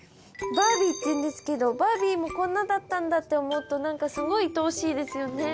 バービーっていうんですけどバービーもこんなだったんだって思うと何かすごいいとおしいですよね。